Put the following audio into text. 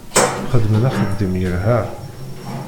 Xedmen axeddim yelha.